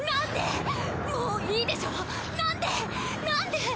なんで？